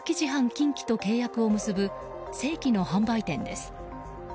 近畿と契約を結ぶ正規の販売店です。